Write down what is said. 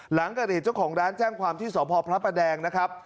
หลังเกิดเหตุเจ้าของร้านแจ้งความที่สพพระประแดงนะครับ